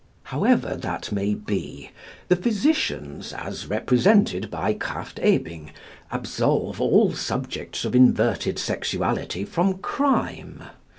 However that may be, the physicians, as represented by Krafft Ebing, absolve all subjects of inverted sexuality from crime.